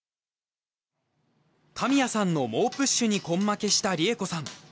神谷さんの猛プッシュに根負けした梨絵子さん。